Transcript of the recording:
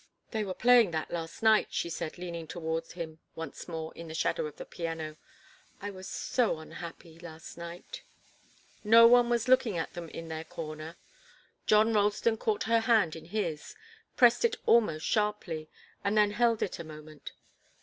"They were playing that last night," she said, leaning toward him once more in the shadow of the piano. "I was so unhappy last night " No one was looking at them in their corner. John Ralston caught her hand in his, pressed it almost sharply, and then held it a moment.